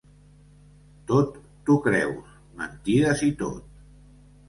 Tot t'ho creus, mentides i tot.